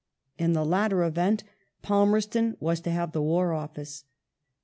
In the latter event l*almerston was to have the War Office.